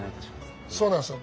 そうなんですよ。